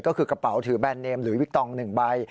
ก็คือกระเป๋าถือแบรนเนมหรือวิกตอง๑ใบ